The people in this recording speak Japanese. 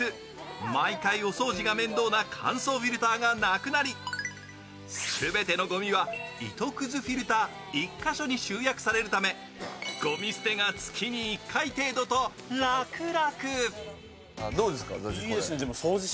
毎回お掃除が面倒な乾燥フィルターがなくなり全てのごみは糸くずフィルター１か所に集約されるためごみ捨てが月に１回程度と楽々。